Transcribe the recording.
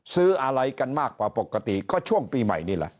ซื้ออะไรกันมากกว่าปกติก็ช่วงปีใหม่นี่แหละ